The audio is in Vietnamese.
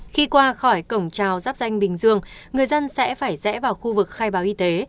khi qua khỏi cổng trào giáp danh bình dương người dân sẽ phải rẽ vào khu vực khai báo y tế